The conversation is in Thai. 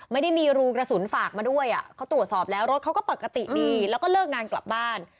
ไม่ได้มีรูกระสุนฝากมาด้วยเขาตรวจสอบแล้วรถเขาก็ปกติดีแล้วก็เลิกงานกลับบ้าน